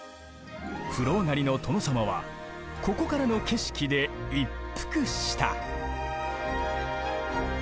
風呂上がりの殿様はここからの景色で一服した。